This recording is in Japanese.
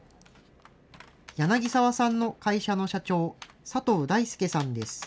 柳澤さんの会社の社長、佐藤大輔さんです。